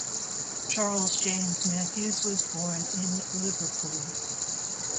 Charles James Mathews was born in Liverpool.